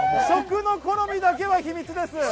食の好みだけは秘密です！